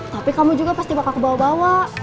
tapi kamu juga pasti bakal kebawa bawa